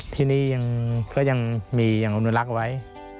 ที่นี่ก็ยังมีอย่างอุณหลักไว้